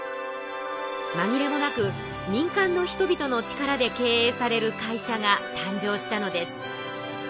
まぎれもなく民間の人々の力で経営される会社がたんじょうしたのです。